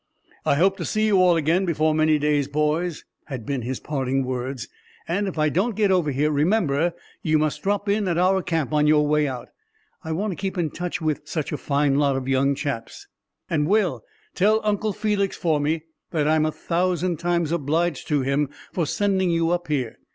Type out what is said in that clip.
"I hope to see you all again before many days, boys," had been his parting words, "and if I don't get over here, remember you must drop in at our camp on your way out. I want to keep in touch with such a fine lot of young chaps. And, Will, tell Uncle Felix for me that I'm a thousand times obliged to him for sending you up here.